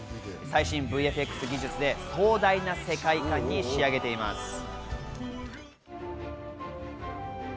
最新ＶＦＸ技術で壮大な世界観に仕上げています。